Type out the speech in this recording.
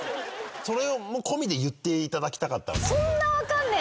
それも込みで言っていただきたかった。